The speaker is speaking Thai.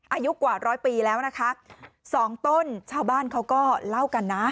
อายุกว่าร้อยปีแล้วนะคะสองต้นชาวบ้านเขาก็เล่ากันนะ